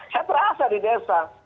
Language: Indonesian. saya terasa di desa